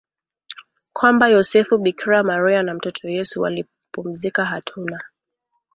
kwamba Yosefu Bikira Maria na mtoto Yesu walipumzika Hatuna